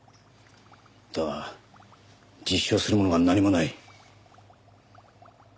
だが実証するものが何もない。